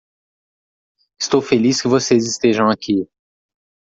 Estou feliz que vocês estejam aqui.